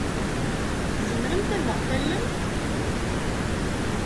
Tzemremt ad aɣ-tallemt?